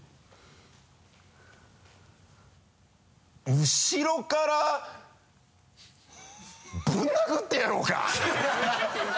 「うしろからぶん殴ってやろうか？」